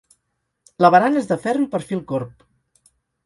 La barana és de ferro i perfil corb.